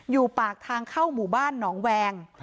อยู่ปากทางเข้าหมู่บ้านหนองแวง